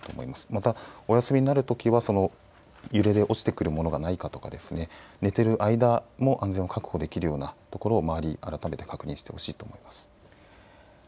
また、お休みになるときは揺れで落ちてくるものがないかとかですね寝ている間も安全を確保できるような所を周り、改めて確認してほしいと思います。